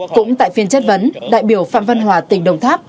cũng tại phiên chất vấn đại biểu phạm văn hòa tỉnh đồng tháp